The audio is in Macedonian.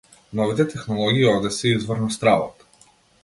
Новите технологии овде се извор на стравот.